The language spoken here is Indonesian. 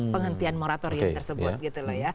penghentian moratorium tersebut